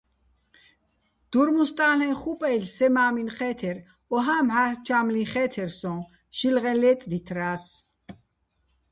დურმუსტა́ლეჼ ხუპაჲლ'ი̆ სე მა́მინ ჴე́თერ, ოჰა́ მჵარ'ლ ჩა́მლიჼ ხე́თერ სოჼ, შილღეჼ ლე́ტდითრა́ს.